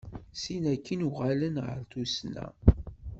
Sin akin uɣalen ɣer tusna.